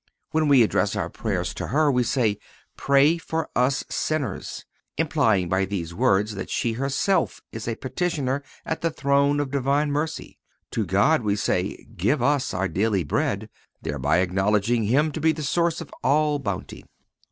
When we address our prayers to her we say: Pray for us sinners, implying by these words that she herself is a petitioner at the throne of Divine mercy. To God we say: Give us our daily bread, thereby acknowledging Him to be the source of all bounty.